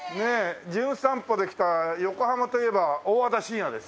『じゅん散歩』で来た横浜といえば大和田伸也です。